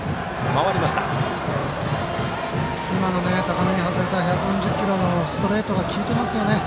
今の、高めに外れた１４０キロのストレートが効いていますね。